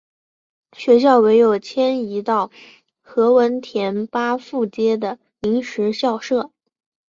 学校唯有迁移到何文田巴富街的临时校舍。